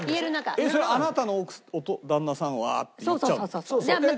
「あなたの旦那さんは」って言っちゃうの？